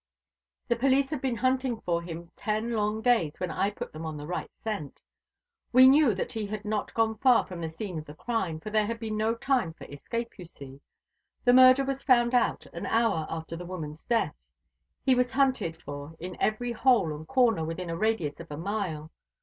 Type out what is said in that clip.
"The police had been hunting for him ten long days, when I put them on the right scent. We knew that he had not gone far from the scene of the crime for there had been no time for escape, you see. The murder was found out an hour after the woman's death. He was hunted for in every hole and corner within a radius of a mile.